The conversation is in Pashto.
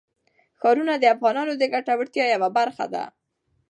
ښارونه د افغانانو د ګټورتیا یوه برخه ده.